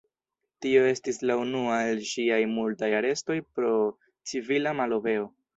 Tio estis la unua el ŝiaj multaj arestoj pro civila malobeo.